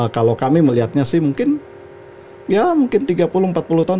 kalau kami melihatnya sih mungkin ya mungkin tiga puluh empat puluh tahun